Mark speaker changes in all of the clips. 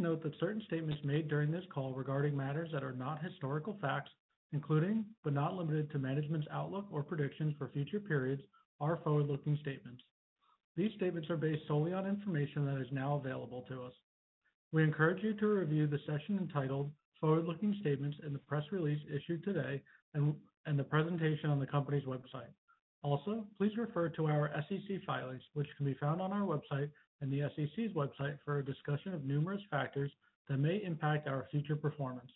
Speaker 1: Please note that certain statements made during this call regarding matters that are not historical facts, including but not limited to management's outlook or predictions for future periods, are forward-looking statements. These statements are based solely on information that is now available to us. We encourage you to review the session entitled "Forward-Looking Statements" in the press release issued today and the presentation on the company's website. Also, please refer to our SEC filings, which can be found on our website and the SEC's website, for a discussion of numerous factors that may impact our future performance.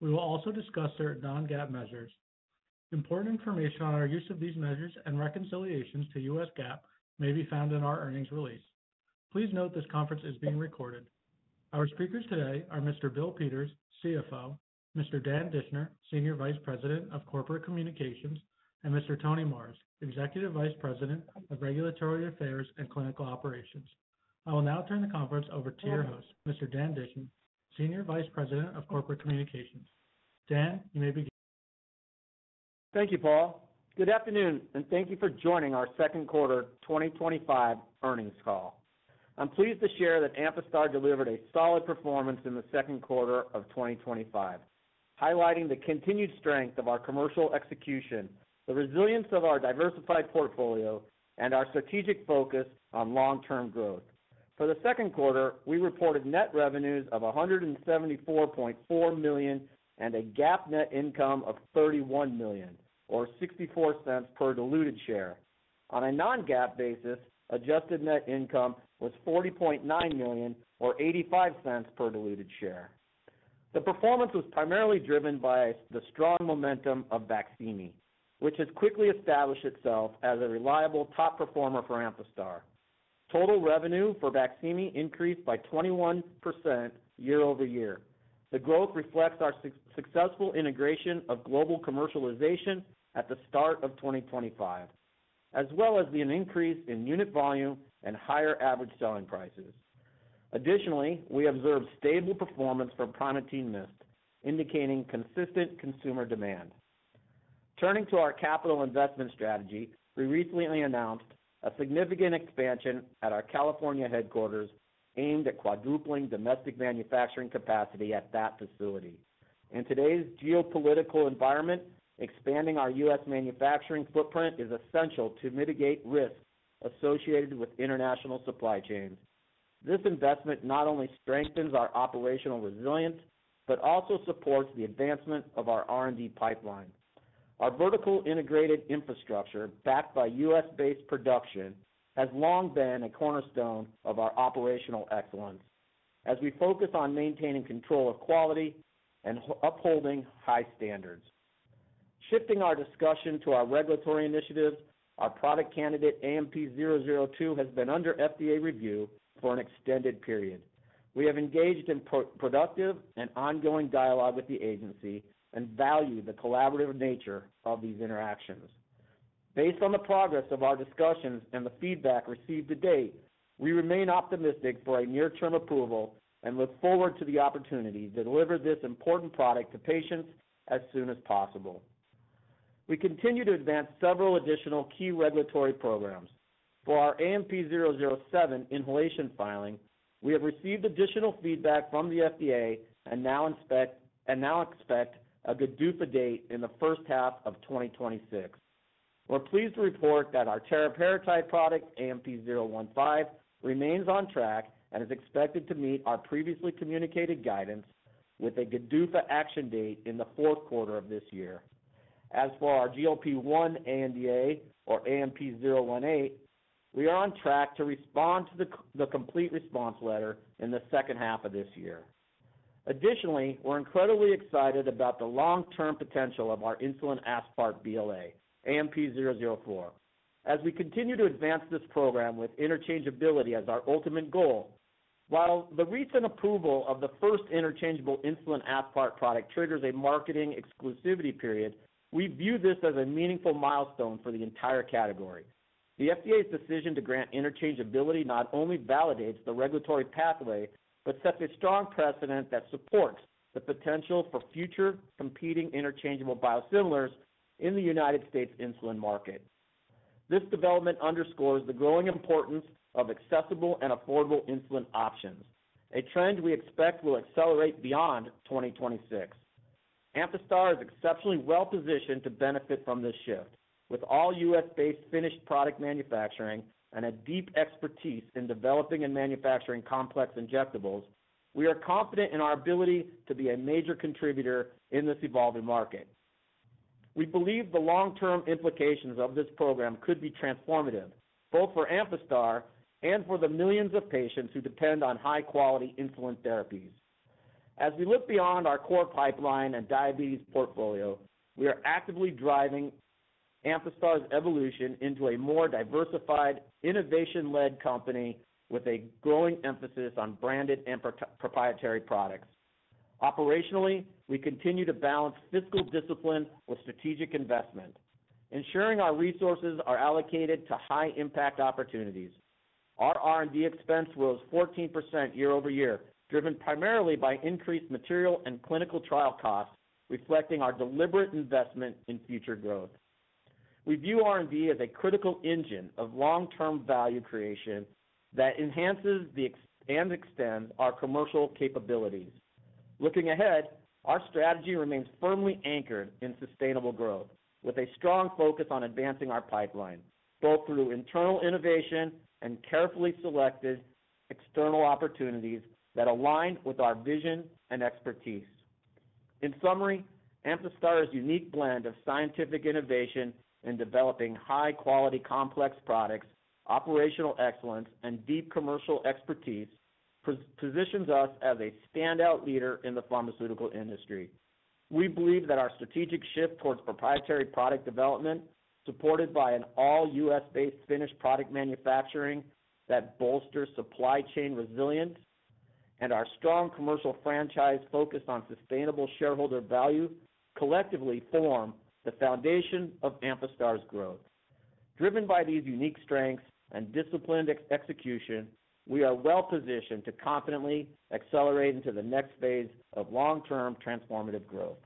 Speaker 1: We will also discuss certain non-GAAP measures. Important information on our use of these measures and reconciliations to U.S. GAAP may be found in our earnings release. Please note this conference is being recorded. Our speakers today are Mr. Bill Peters, CFO; Mr. Dan Dischner, Senior Vice President of Corporate Communications; and Mr. Tony Marrs, Executive Vice President of Regulatory Affairs and Clinical Operations. I will now turn the conference over to your host, Mr. Dan Dischner, Senior Vice President of Corporate Communications. Dan, you may begin.
Speaker 2: Thank you, Paul. Good afternoon, and thank you for joining our second quarter 2025 earnings call. I'm pleased to share that Amphastar delivered a solid performance in the second quarter of 2025, highlighting the continued strength of our commercial execution, the resilience of our diversified portfolio, and our strategic focus on long-term growth. For the second quarter, we reported net revenues of $174.4 million and a GAAP net income of $31 million, or $0.64 per diluted share. On a non-GAAP basis, adjusted net income was $40.9 million, or $0.85 per diluted share. The performance was primarily driven by the strong momentum of BAQSIMI, which has quickly established itself as a reliable top performer for Amphastar. Total revenue for BAQSIMI increased by 21% year-over-year. The growth reflects our successful integration of global commercialization at the start of 2025, as well as an increase in unit volume and higher average selling prices. Additionally, we observed stable performance for Primatene MIST, indicating consistent consumer demand. Turning to our capital investment strategy, we recently announced a significant expansion at our California headquarters aimed at quadrupling domestic manufacturing capacity at that facility. In today's geopolitical environment, expanding our US manufacturing footprint is essential to mitigate risks associated with international supply chains. This investment not only strengthens our operational resilience but also supports the advancement of our R&D pipeline. Our vertically integrated infrastructure, backed by US-based production, has long been a cornerstone of our operational excellence, as we focus on maintaining control of quality and upholding high standards. Shifting our discussion to our regulatory initiatives, our product candidate, AMP-002, has been under FDA review for an extended period. We have engaged in productive and ongoing dialogue with the agency and value the collaborative nature of these interactions. Based on the progress of our discussions and the feedback received to date, we remain optimistic for a near-term approval and look forward to the opportunity to deliver this important product to patients as soon as possible. We continue to advance several additional key regulatory programs. For our AMP-007 inhalation filing, we have received additional feedback from the FDA and now expect a good due date in the first half of 2026. We're pleased to report that our teriparatide product, AMP-015, remains on track and is expected to meet our previously communicated guidance, with a good due action date in the fourth quarter of this year. As for our GLP-1 ANDA, or AMP-018, we are on track to respond to the complete response letter in the second half of this year. Additionally, we're incredibly excited about the long-term potential of our Insulin Aspart BLA, AMP-004, as we continue to advance this program with interchangeability as our ultimate goal. While the recent approval of the first interchangeable insulin aspart product triggers a marketing exclusivity period, we view this as a meaningful milestone for the entire category. The FDA's decision to grant interchangeability not only validates the regulatory pathway but sets a strong precedent that supports the potential for future competing interchangeable biosimilars in the U.S. insulin market. This development underscores the growing importance of accessible and affordable insulin options, a trend we expect will accelerate beyond 2026. Amphastar is exceptionally well positioned to benefit from this shift. With all U.S.-based finished product manufacturing and a deep expertise in developing and manufacturing complex injectables, we are confident in our ability to be a major contributor in this evolving market. We believe the long-term implications of this program could be transformative, both for Amphastar and for the millions of patients who depend on high-quality insulin therapies. As we look beyond our core pipeline and diabetes portfolio, we are actively driving Amphastar evolution into a more diversified, innovation-led company with a growing emphasis on branded and proprietary products. Operationally, we continue to balance fiscal discipline with strategic investment, ensuring our resources are allocated to high-impact opportunities. Our R&D expense grows 14% year-over-year, driven primarily by increased material and clinical trial costs, reflecting our deliberate investment in future growth. We view R&D as a critical engine of long-term value creation that enhances and extends our commercial capabilities. Looking ahead, our strategy remains firmly anchored in sustainable growth, with a strong focus on advancing our pipeline, both through internal innovation and carefully selected external opportunities that align with our vision and expertise. In summary, Amphastar unique blend of scientific innovation in developing high-quality complex products, operational excellence, and deep commercial expertise positions us as a standout leader in the pharmaceutical industry. We believe that our strategic shift towards proprietary product development, supported by an all US-based finished product manufacturing that bolsters supply chain resilience, and our strong commercial franchise focus on sustainable shareholder value, collectively form the foundation of Amphastar growth. Driven by these unique strengths and disciplined execution, we are well positioned to confidently accelerate into the next phase of long-term transformative growth.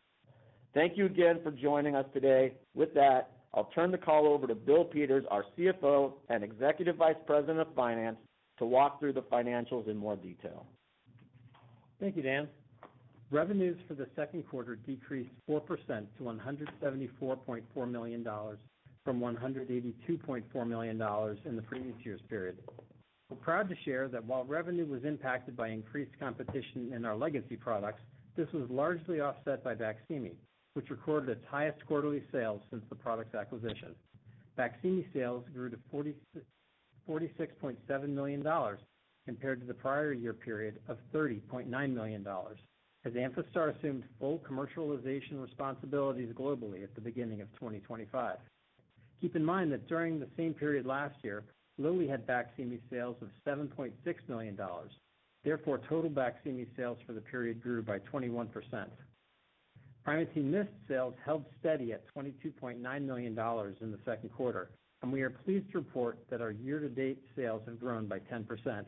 Speaker 2: Thank you again for joining us today. With that, I'll turn the call over to Bill Peters, our CFO and Executive Vice President of Finance, to walk through the financials in more detail.
Speaker 3: Thank you, Dan. Revenues for the second quarter decreased 4% to $174.4 million from $182.4 million in the previous year's period. We're proud to share that while revenue was impacted by increased competition in our legacy products, this was largely offset by BAQSIMI, which recorded its highest quarterly sales since the product's acquisition. BAQSIMI sales grew to $46.7 million compared to the prior year period of $30.9 million, as Amphastar assumed full commercialization responsibilities globally at the beginning of 2025. Keep in mind that during the same period last year, Lilly had BAQSIMI sales of $7.6 million. Therefore, total BAQSIMI sales for the period grew by 21%. Primatene MIST sales held steady at $22.9 million in the second quarter, and we are pleased to report that our year-to-date sales have grown by 10%.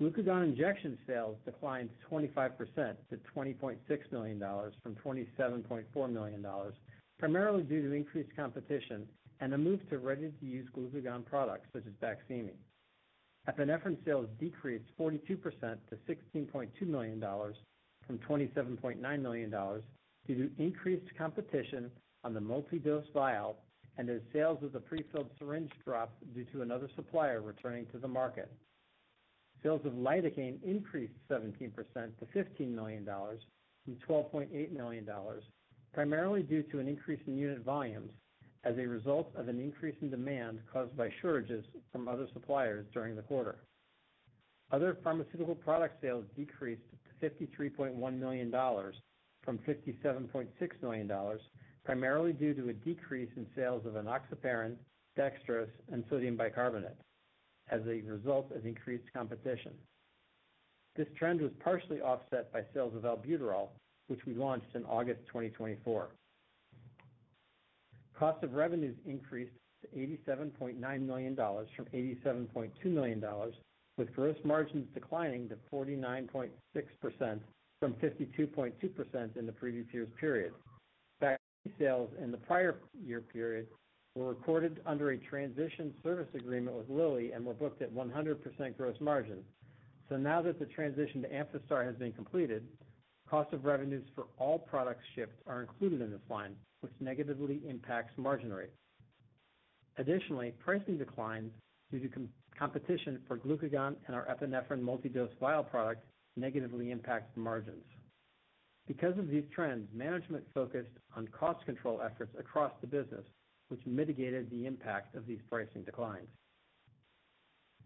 Speaker 3: Glucagon injection sales declined 25% to $20.6 million from $27.4 million, primarily due to increased competition and a move to ready-to-use glucagon products such as BAQSIMI. Epinephrine sales decreased 42% to $16.2 million from $27.9 million due to increased competition on the multi-dose vial and as sales of the prefilled syringe dropped due to another supplier returning to the market. Sales of lidocaine increased 17% to $15 million from $12.8 million, primarily due to an increase in unit volumes as a result of an increase in demand caused by shortages from other suppliers during the quarter. Other pharmaceutical product sales decreased to $53.1 million from $57.6 million, primarily due to a decrease in sales of enoxaparin, dextrose, and sodium bicarbonate as a result of increased competition. This trend was partially offset by sales of albuterol, which we launched in August 2024. Cost of revenues increased to $87.9 million from $87.2 million, with gross margins declining to 49.6% from 52.2% in the previous year's period. BAQSIMI sales in the prior year period were recorded under a transition service agreement with Lilly and were booked at 100% gross margins. Now that the transition to Amphastar has been completed, cost of revenues for all products shipped are included in this line, which negatively impacts margin rates. Additionally, pricing declines due to competition for glucagon and our epinephrine multi-dose vial product negatively impact margins. Because of these trends, management focused on cost control efforts across the business, which mitigated the impact of these pricing declines.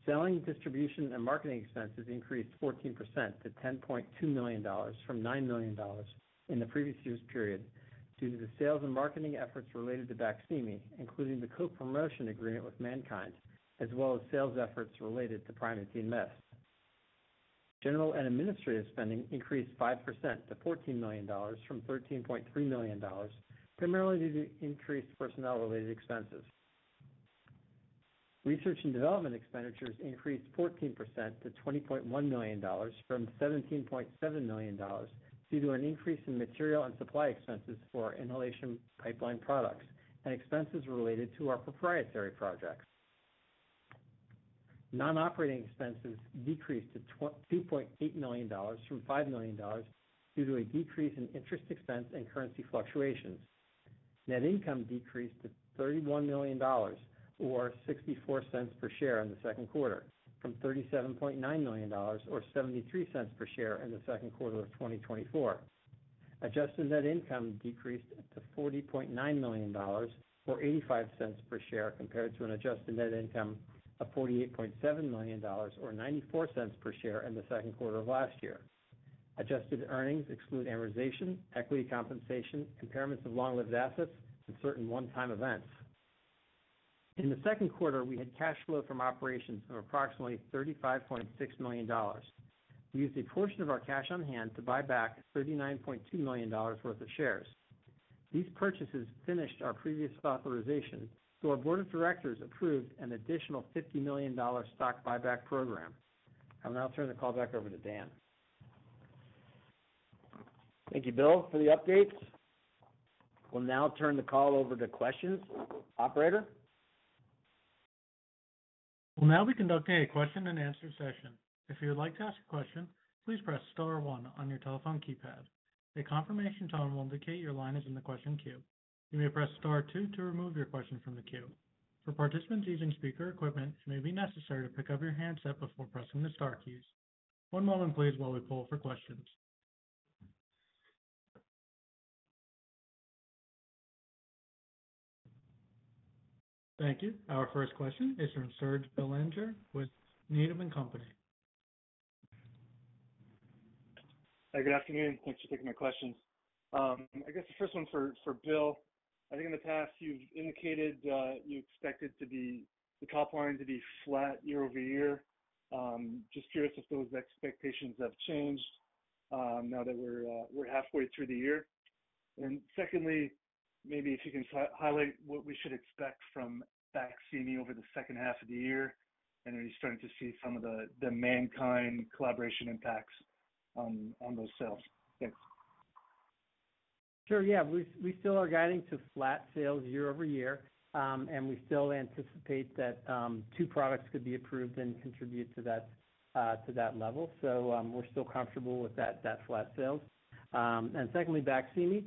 Speaker 3: Selling, distribution, and marketing expenses increased 14% to $10.2 million from $9 million in the previous year's period due to the sales and marketing efforts related to BAQSIMI, including the co-promotion agreement with MannKind, as well as sales efforts related to Primatene MIST. General and administrative spending increased 5% to $14 million from $13.3 million, primarily due to increased personnel-related expenses. Research and development expenditures increased 14% to $20.1 million from $17.7 million due to an increase in material and supply expenses for our inhalation pipeline products and expenses related to our proprietary projects. Non-operating expenses decreased to $2.8 million from $5 million due to a decrease in interest expense and currency fluctuations. Net income decreased to $31 million, or $0.64 per share in the second quarter, from $37.9 million, or $0.73 per share in the second quarter of 2023. Adjusted net income decreased to $40.9 million, or $0.85 per share compared to an adjusted net income of $48.7 million, or $0.94 per share in the second quarter of last year. Adjusted earnings exclude amortization, equity compensation, impairments of long-lived assets, and certain one-time events. In the second quarter, we had cash flow from operations of approximately $35.6 million. We used a portion of our cash on hand to buy back $39.2 million worth of shares. These purchases finished our previous authorization, so our board of directors approved an additional $50 million stock buyback program. I will now turn the call back over to Dan.
Speaker 2: Thank you, Bill, for the updates. We'll now turn the call over to questions. Operator?
Speaker 1: We'll now be conducting a question and answer session. If you would like to ask a question, please press star one on your telephone keypad. A confirmation tone will indicate your line is in the question queue. You may press star two to remove your question from the queue. For participants using speaker equipment, it may be necessary to pick up your handset before pressing the star keys. One moment, please, while we pull for questions. Thank you. Our first question is from Serge Belanger with Needham & Company.
Speaker 4: Hi, good afternoon. Thanks for taking our questions. I guess the first one's for Bill. I think in the past you've indicated you expected the top line to be flat year-over-year. Just curious if those expectations have changed now that we're halfway through the year. Secondly, maybe if you can highlight what we should expect from BAQSIMI over the second half of the year, and are you starting to see some of the MannKind collaboration impacts on those sales? Thanks.
Speaker 3: Sure. We still are guiding to flat sales year-over-year, and we still anticipate that two products could be approved and contribute to that level. We're still comfortable with that flat sales. Secondly, BAQSIMI,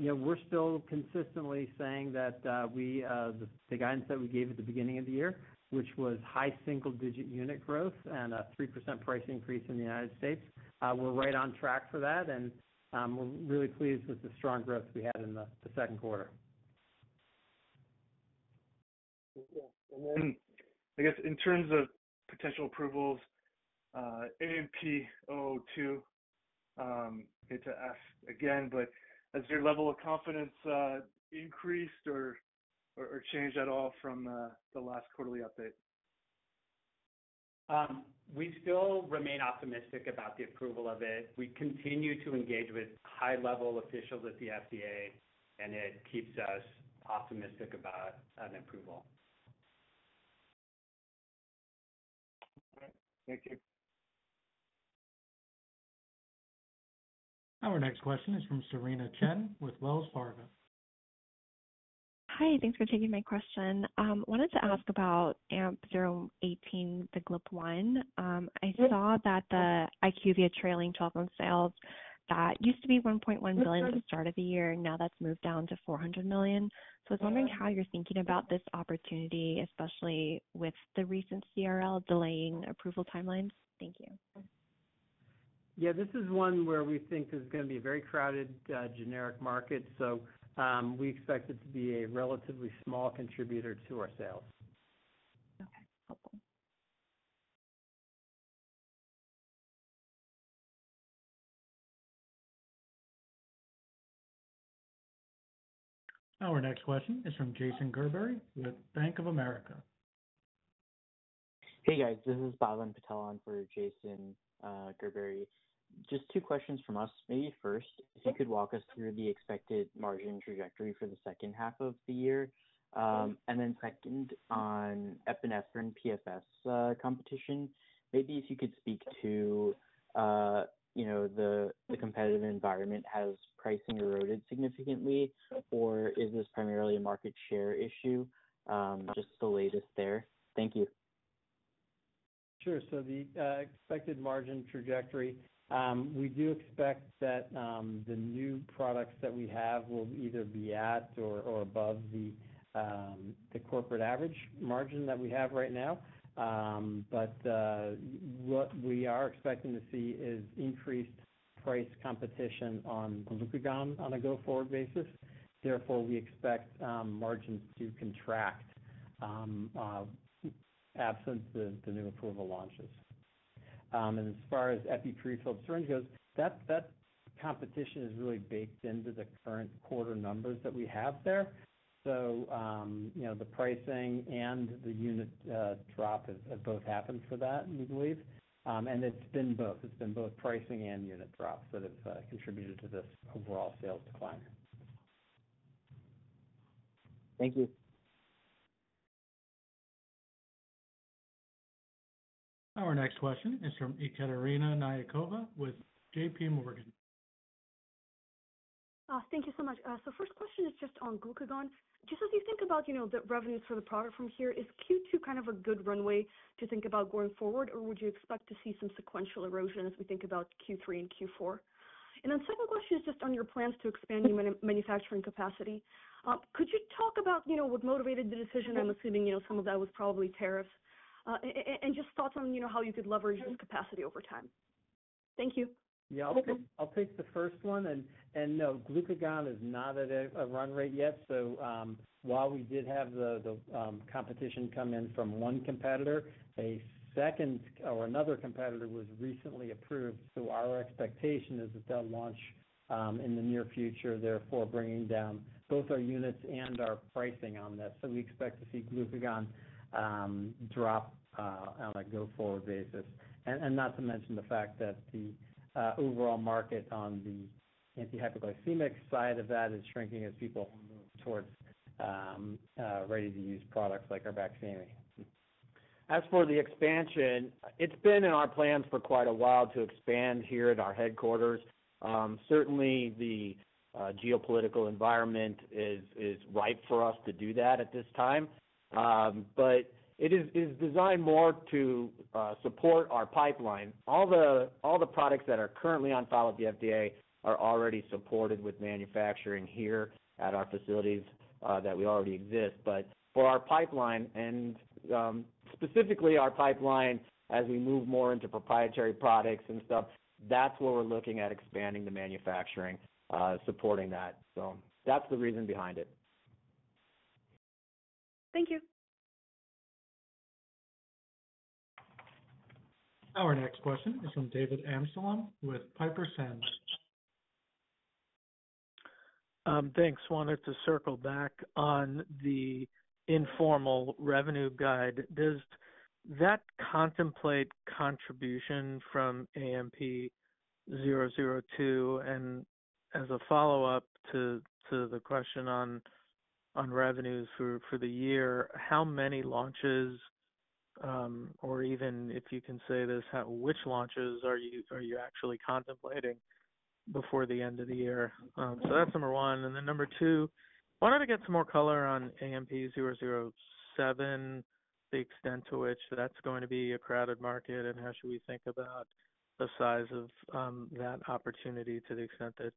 Speaker 3: you know, we're still consistently saying that the guidance that we gave at the beginning of the year, which was high single-digit unit growth and a 3% price increase in the U.S., we're right on track for that, and we're really pleased with the strong growth we had in the second quarter.
Speaker 4: Yeah. In terms of potential approvals, AMP-002, I hate to ask again, but has your level of confidence increased or changed at all from the last quarterly update?
Speaker 2: We still remain optimistic about the approval of it. We continue to engage with high-level officials at the FDA, and it keeps us optimistic about an approval.
Speaker 4: All right. Thank you.
Speaker 1: Our next question is from Cerena Chen with Wells Fargo.
Speaker 5: Hi. Thanks for taking my question. I wanted to ask about AMP-018, the GLP-1. I saw that the IQVIA trailing 12-month sales that used to be $1.1 billion at the start of the year, now that's moved down to $400 million. I was wondering how you're thinking about this opportunity, especially with the recent CRL delaying approval timelines. Thank you.
Speaker 3: Yeah, this is one where we think there's going to be a very crowded, generic market. We expect it to be a relatively small contributor to our sales.
Speaker 5: Okay. Helpful.
Speaker 1: Our next question is from Jason Gerbere with Bank of America.
Speaker 6: Hey, guys. This is Pavan Patel on for Jason Gerbere. Just two questions from us. Maybe first, if you could walk us through the expected margin trajectory for the second half of the year, and then second, on epinephrine PFS competition, maybe if you could speak to, you know, the competitive environment, has pricing eroded significantly, or is this primarily a market share issue? Just the latest there. Thank you.
Speaker 3: Sure. The expected margin trajectory, we do expect that the new products that we have will either be at or above the corporate average margin that we have right now. What we are expecting to see is increased price competition on glucagon on a go-forward basis. Therefore, we expect margins to contract, absent the new approval launches. As far as epi prefilled syringe goes, that competition is really baked into the current quarter numbers that we have there. The pricing and the unit drop have both happened for that, we believe. It's been both pricing and unit drop that have contributed to this overall sales decline.
Speaker 6: Thank you.
Speaker 1: Our next question is from Ekaterina Knyazkova with JPMorgan.
Speaker 7: Thank you so much. First question is just on glucagon. As you think about the revenues for the product from here, is Q2 kind of a good runway to think about going forward, or would you expect to see some sequential erosion as we think about Q3 and Q4? The second question is just on your plans to expand your manufacturing capacity. Could you talk about what motivated the decision? I'm assuming some of that was probably tariffs. Just thoughts on how you could leverage this capacity over time. Thank you.
Speaker 3: I'll take the first one. No, glucagon is not at a run rate yet. While we did have the competition come in from one competitor, another competitor was recently approved. Our expectation is that they'll launch in the near future, therefore bringing down both our units and our pricing on that. We expect to see glucagon drop on a go-forward basis. Not to mention the fact that the overall market on the anti-hypoglycemic side of that is shrinking as people move towards ready-to-use products like our BAQSIMI.
Speaker 2: As for the expansion, it's been in our plans for quite a while to expand here at our headquarters. Certainly, the geopolitical environment is ripe for us to do that at this time. It is designed more to support our pipeline. All the products that are currently on file at the FDA are already supported with manufacturing here at our facilities that already exist. For our pipeline, and specifically our pipeline as we move more into proprietary products and stuff, that's where we're looking at expanding the manufacturing, supporting that. That's the reason behind it.
Speaker 7: Thank you.
Speaker 1: Our next question is from David Amsellem with Piper Sandler.
Speaker 8: Thanks. Wanted to circle back on the informal revenue guide. Does that contemplate contribution from AMP-002? As a follow-up to the question on revenues for the year, how many launches, or even if you can say this, which launches are you actually contemplating before the end of the year? That's number one. Number two, I wanted to get some more color on AMP-007, the extent to which that's going to be a crowded market, and how should we think about the size of that opportunity to the extent that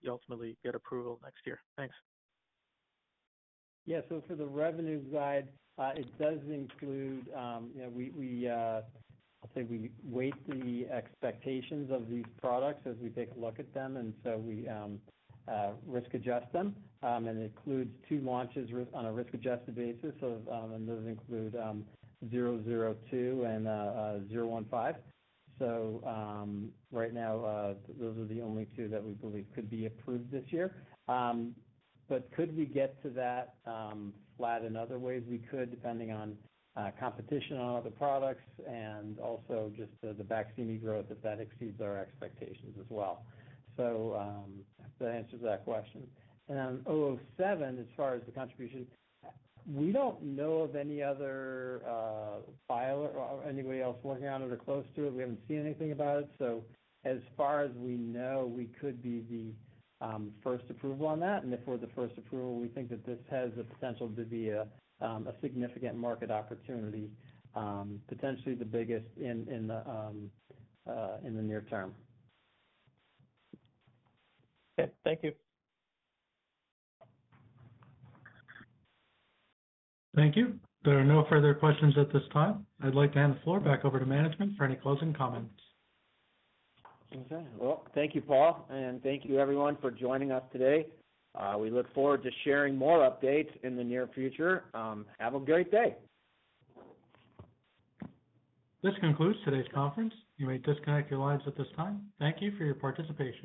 Speaker 8: you ultimately get approval next year. Thanks.
Speaker 3: Yeah. For the revenue guide, it does include, you know, we, I'll say we weight the expectations of these products as we take a look at them, and we risk-adjust them. It includes two launches on a risk-adjusted basis, and those include AMP-002 and AMP-015. Right now, those are the only two that we believe could be approved this year. Could we get to that flat in other ways? We could, depending on competition on other products and also just the BAQSIMI growth if that exceeds our expectations as well. That answers that question. On AMP-007, as far as the contribution, we don't know of any other filer or anybody else working on it or close to it. We haven't seen anything about it. As far as we know, we could be the first approval on that. If we're the first approval, we think that this has the potential to be a significant market opportunity, potentially the biggest in the near term.
Speaker 8: Okay. Thank you.
Speaker 1: Thank you. There are no further questions at this time. I'd like to hand the floor back over to management for any closing comments.
Speaker 2: Thank you, Paul, and thank you, everyone, for joining us today. We look forward to sharing more updates in the near future. Have a great day.
Speaker 1: This concludes today's conference. You may disconnect your lines at this time. Thank you for your participation.